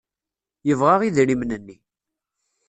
Yebɣa idrimen-nni.